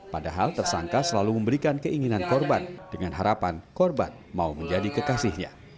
padahal tersangka selalu memberikan keinginan korban dengan harapan korban mau menjadi kekasihnya